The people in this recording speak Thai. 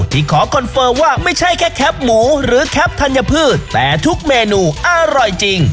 ขอคอนเฟิร์มว่าไม่ใช่แค่แคปหมูหรือแคปธัญพืชแต่ทุกเมนูอร่อยจริง